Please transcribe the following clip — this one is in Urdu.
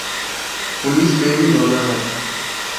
پولیس پہ بھی رونا ہے۔